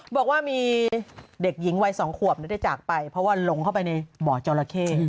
บอกว่ามีเด็กหญิงวัย๒ขวบได้จากไปเพราะว่าลงเข้าไปในบ่อจราเข้